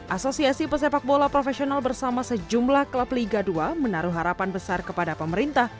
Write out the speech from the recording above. asosiasi pesepak bola profesional bersama sejumlah klub liga dua menaruh harapan besar kepada pemerintah